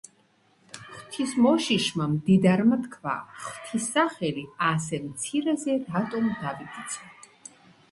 ღვთის მოშიშმა მდიდარმა თქვა: ღვთის სახელი ასე მცირეზე რატომ დავიფიცო